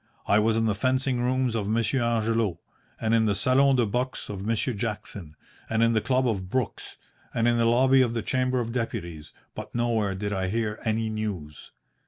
I was in the fencing rooms of Monsieur Angelo, and in the salon de boxe of Monsieur Jackson, and in the club of Brooks, and in the lobby of the Chamber of Deputies, but nowhere did I hear any news.